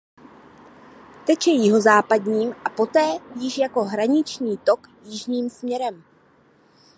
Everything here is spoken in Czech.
Teče jihozápadním a poté již jako hraniční tok jižním směrem.